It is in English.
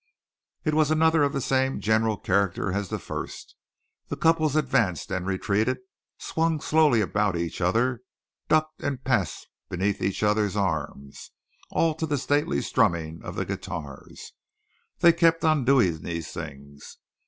It was another of the same general character as the first. The couples advanced and retreated, swung slowly about each other, ducked and passed beneath each other's arms, all to the stately strumming of the guitars. They kept on doing these things.